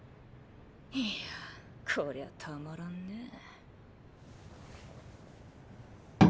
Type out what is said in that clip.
いやこりゃたまらんねぇ。